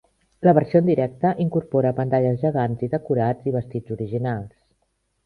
La versió en directe incorpora pantalles gegants i decorats i vestits originals.